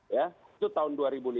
itu tahun dua ribu lima belas